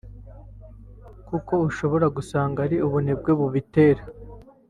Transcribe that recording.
kuko ushobora gusanga ari ubunebwe bubitera